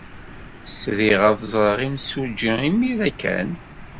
Sriɣ ad ẓreɣ imsujji imir-a kan.